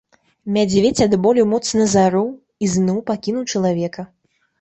Мядзведзь ад болю моцна зароў і зноў пакінуў чалавека.